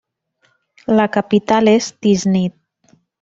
La capital és Tiznit.